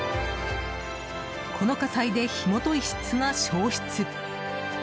この火災で火元一室が焼失。